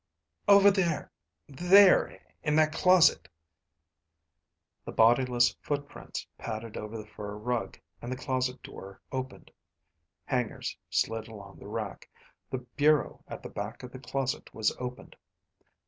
"Over there ... there in that closet." The bodiless footprints padded over the fur rug, and the closet door opened. Hangers slid along the rack. The bureau at the back of the closet was opened.